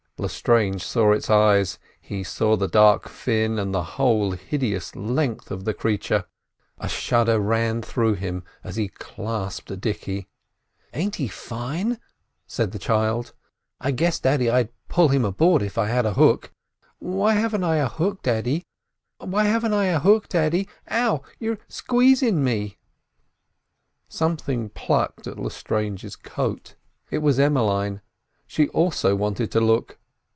Lestrange saw its eyes, he saw the dark fin, and the whole hideous length of the creature; a shudder ran through him as he clasped Dicky. "Ain't he fine?" said the child. "I guess, daddy, I'd pull him aboard if I had a hook. Why haven't I a hook, daddy?—why haven't I a hook, daddy?— Ow, you're squeezin' me!" Something plucked at Lestrange's coat: it was Emmeline—she also wanted to look.